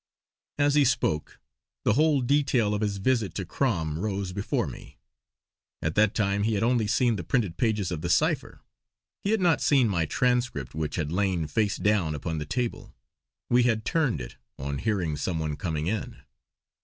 As he spoke the whole detail of his visit to Crom rose before me. At that time he had only seen the printed pages of the cipher; he had not seen my transcript which had lain, face down, upon the table. We had turned it, on hearing some one coming in.